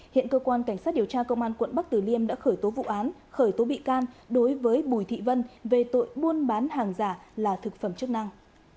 hiện cơ quan cảnh sát điều tra công an quận bắc tử liêm đã khởi tố vụ án khởi tố bị can đối với bùi thị vân về tội buôn bán hàng giả là thực phẩm chức năng